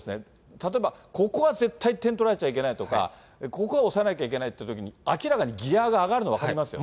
例えば、ここは絶対点取られちゃいけないとか、ここは抑えなきゃいけないというときに、明らかにギアが上がるの分かりますよね。